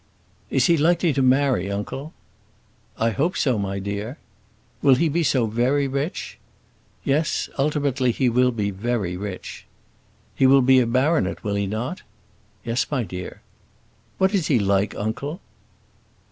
"Is he likely to marry, uncle?" "I hope so, my dear." "Will he be so very rich?" "Yes; ultimately he will be very rich." "He will be a baronet, will he not?" "Yes, my dear." "What is he like, uncle?"